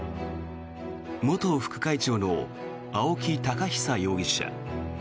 元副会長の青木寶久容疑者